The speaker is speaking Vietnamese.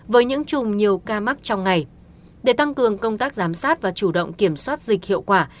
với những chùm nhiều ca mắc trong ngày để tăng cường công tác giám sát và chủ động kiểm soát dịch hiệu quả